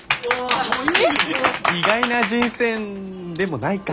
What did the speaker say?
意外な人選でもないか。